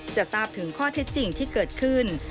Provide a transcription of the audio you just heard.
จะทราบถึงข้อเท็จจริงที่เกิดขึ้น